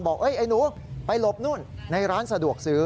ไอ้หนูไปหลบนู่นในร้านสะดวกซื้อ